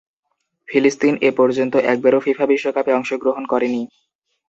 ফিলিস্তিন এপর্যন্ত একবারও ফিফা বিশ্বকাপে অংশগ্রহণ করেনি।